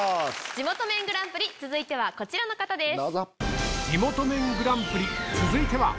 「地元麺グランプリ」続いてはこちらの方です。